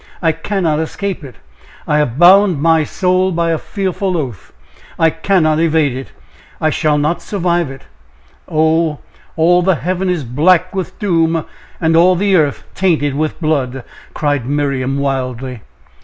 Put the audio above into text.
I cannot escape it! I have bound my soul by a fearful oath! I cannot evade it! I shall not survive it! Oh, all the heaven is black with doom, and all the earth tainted with blood!" cried Miriam, wildly.